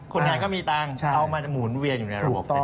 คนนั้นก็มีตังค์เอามาจะหมุนเวียนอยู่ในระบบเศรษฐกิจ